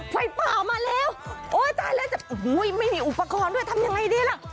ไฟป่ามาแล้วโอ้ยตายแล้วจะโอ้โหไม่มีอุปกรณ์ด้วยทำยังไงดีล่ะ